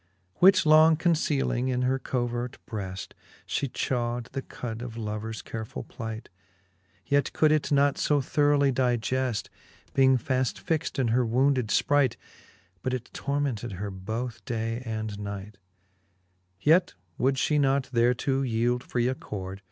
XXVIL Which long concealing in her covert breft, She chaw'd the cud of lovers carefull plight ; Yet could it not fo thoroughly digeft, Being faft fixed in her wounded fpright, ' But it tormented her both day and night : Yet would fhe not thereto yeeld free accord